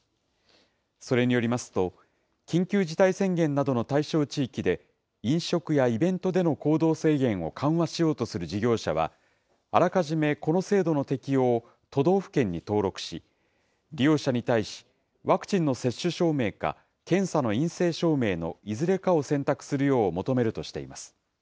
それによりますと、緊急事態宣言などの対象地域で、飲食やイベントでの行動制限を緩和しようとする事業者は、あらかじめこの制度の適用を都道府県に登録し、利用者に対し、ワクチンの接種証明か検査の陰性証明のいずれかを選択するよう求めるとしています。